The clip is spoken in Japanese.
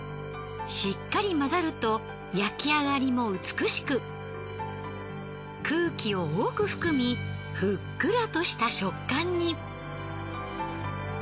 しっかり混ざると焼き上がりも美しく空気を多く含みふっくらとした食感に。